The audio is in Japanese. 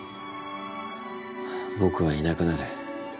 ぼくはいなくなる。